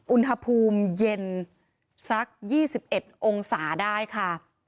อุณหภูมิเย็นสัก๒๑องศาได้ค่ะ